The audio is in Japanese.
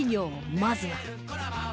まずは